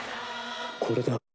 これだ。